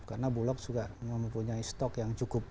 karena bulog juga mempunyai stok yang cukup